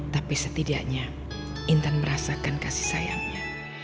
tapi setidaknya intan merasakan kasih sayangnya